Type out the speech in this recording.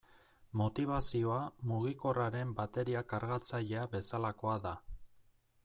Motibazioa mugikorraren bateria kargatzailea bezalakoa da.